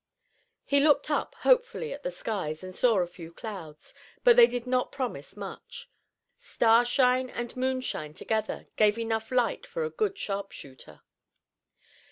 He looked up hopefully at the skies and saw a few clouds, but they did not promise much. Starshine and moonshine together gave enough light for a good sharpshooter.